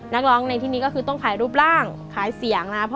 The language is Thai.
นักร้องในที่นี้ก็คือต้องขายรูปร่างขายเสียงนะครับ